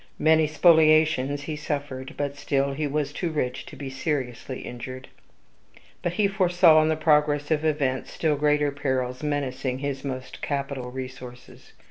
Many spoliations he suffered; but still he was too rich to be seriously injured. But he foresaw, in the progress of events, still greater perils menacing his most capital resources.